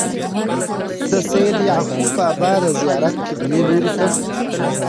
د سيد يعقوب بابا د زيارت قبلې لوري ته